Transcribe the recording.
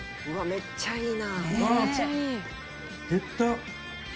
「めっちゃいい！」